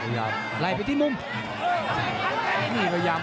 ไหลไปที่มุม